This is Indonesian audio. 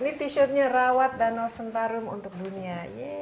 ini t shirtnya rawat danau sentarum untuk dunia